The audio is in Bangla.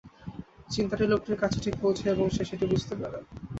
চিন্তাটি লোকটির কাছে ঠিক পৌঁছায়, এবং সে সেটি বুঝিতে পারে।